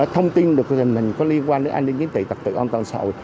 thông tin được cái tình hình có liên quan đến an ninh chiến tị tập tự an toàn xã hội